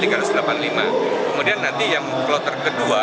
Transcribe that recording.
kemudian nanti yang kloter kedua